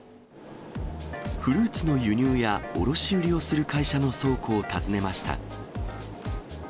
フルーツの輸入や卸売りをする会社の倉庫を訪ねました。